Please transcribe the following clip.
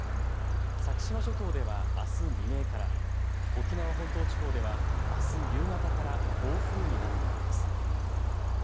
先島諸島ではあす未明から沖縄本島地方ではあす夕方から暴風になる見込みです。